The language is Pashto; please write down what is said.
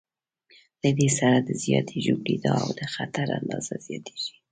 له دې سره د زیاتې ژوبلېدا او د خطر اندازه زیاتېږي.